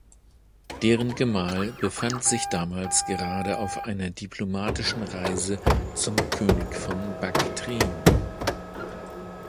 Deren Gemahl befand sich damals gerade auf einer diplomatischen Reise zum König von Baktrien.